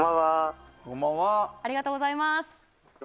ありがとうございます。